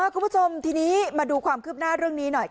คุณผู้ชมทีนี้มาดูความคืบหน้าเรื่องนี้หน่อย